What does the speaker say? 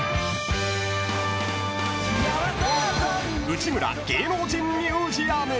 ［内村芸能人ミュージアム］